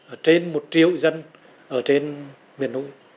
ở trên một triệu dân ở trên biển núi